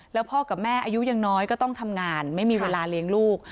แล้วพ่อกับแม่อายุยังน้อยก็ต้องทำงานไม่มีเวลาเลี้ยงลูก